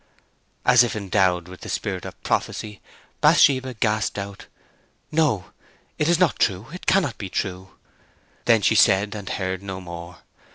As if endowed with the spirit of prophecy, Bathsheba gasped out, "No, it is not true; it cannot be true!" Then she said and heard no more.